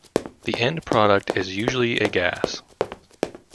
The end product is usually a gas.